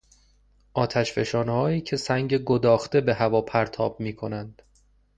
آتشفشانهایی که سنگ گداخته به هوا پرتاب میکنند